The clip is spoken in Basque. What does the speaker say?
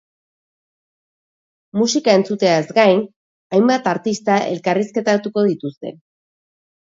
Musika entzuteaz gain, hainbat artista elkarrizketatuko dituzte.